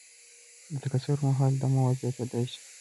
د تکثر پر مهال دا مواد زیاتیدای شي.